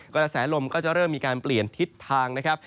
กระแสลมก็จะเริ่มมีการเปลี่ยนทิศทางนะครับ